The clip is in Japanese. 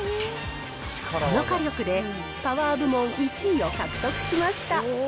その火力でパワー部門１位を獲得しました。